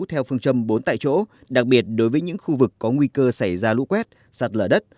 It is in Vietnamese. theo phương châm bốn tại chỗ đặc biệt đối với những khu vực có nguy cơ xảy ra lũ quét sạt lở đất